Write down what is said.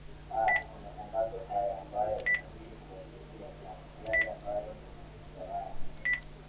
aah kwa matangazo haya ambayo unazidi kuyasikia na yale ambayo tayari